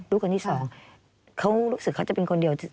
ลูกคนที่สองเขารู้สึกเขาจะเป็นคนเดียว